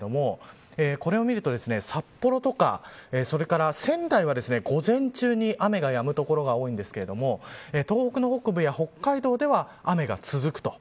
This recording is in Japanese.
これを見ると、札幌とかそれから仙台は、午前中には雨がやむ所が多いんですけど東北の北部や北海道では雨が続くと。